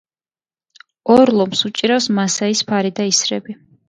ორ ლომს უჭირავს მასაის ფარი და ისრები.